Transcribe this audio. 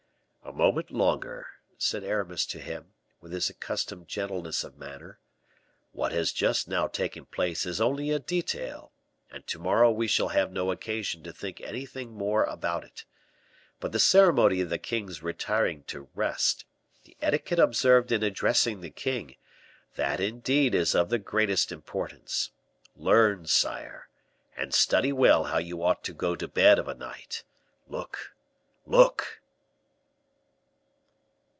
"A moment longer," said Aramis to him, with his accustomed gentleness of manner; "what has just now taken place is only a detail, and to morrow we shall have no occasion to think anything more about it; but the ceremony of the king's retiring to rest, the etiquette observed in addressing the king, that indeed is of the greatest importance. Learn, sire, and study well how you ought to go to bed of a night. Look! look!"